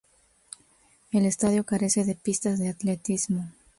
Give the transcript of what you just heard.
El estadio carece de pistas de atletismo.